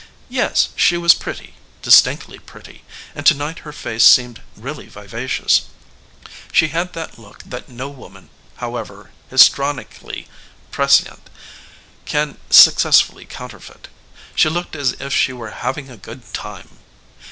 Yes, she was pretty, distinctly pretty; and to night her face seemed really vivacious. She had that look that no woman, however histrionically proficient, can successfully counterfeit she looked as if she were having a good time.